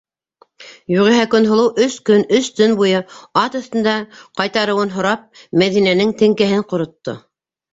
Юғиһә, Көнһылыу, өс көн, өс төн буйы ат өҫтөндә ҡайтарыуын һорап, Мәҙинәнең теңкәһен ҡоротто.